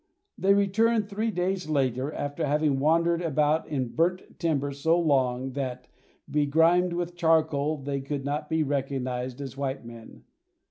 They returned three days later, after having wandered about in burnt timber so long that, begrimed with charcoal, they could not be recognized as white men.